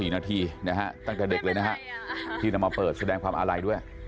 ๔นาทีนะฮะตั้งแต่เด็กเลยนะฮะที่จะมาเปิดแสดงความอะไร